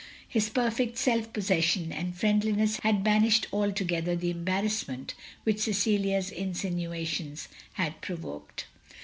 His perfect self possession and friendliness had banished altogether the embarrassment which Cecilia's insinuations had provoked.